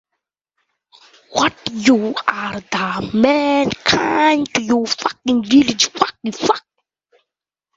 তোমাদেরকে প্রকৃত সত্য জানিয়ে দেয়ার জন্য এগুলো সবই প্রস্তুত আছে।